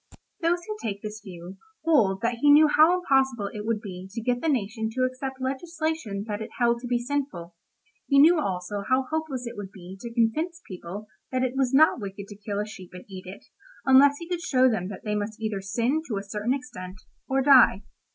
Those who take this view hold that he knew how impossible it would be to get the nation to accept legislation that it held to be sinful; he knew also how hopeless it would be to convince people that it was not wicked to kill a sheep and eat it, unless he could show them that they must either sin to a certain extent, or die.